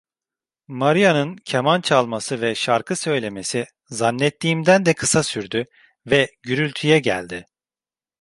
Maria'nın keman çalması ve şarkı söylemesi zannettiğimden de kısa sürdü ve gürültüye geldi.